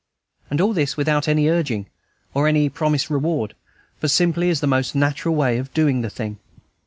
And all this without any urging or any promised reward, but simply as the most natural way of doing the thing.